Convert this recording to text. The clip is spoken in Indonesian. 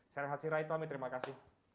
saya rehat sirai tuami terima kasih